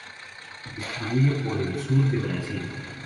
Se distribuye por el sur de Brasil.